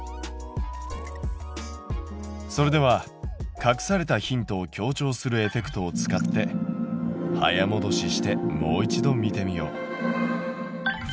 それでは隠されたヒントを強調するエフェクトを使って早もどししてもう一度見てみよう。